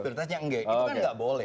berarti dia nggak itu kan nggak boleh